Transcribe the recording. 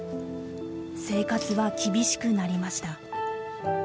生活は厳しくなりました。